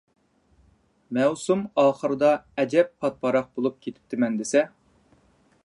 مەۋسۇم ئاخىرىدا ئەجەب پاتىپاراق بولۇپ كېتىمەن دېسە.